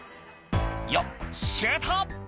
「よっシュート！」